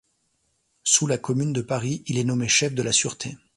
Sous la Commune de Paris, il est nommé chef de la Sûreté.